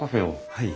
はい。